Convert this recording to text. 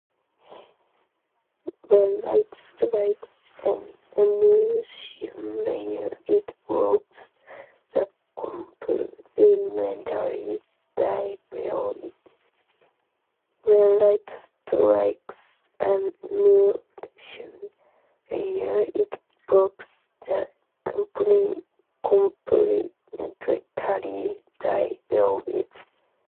When light strikes an emulsion layer, it blocks the complementary dye below it.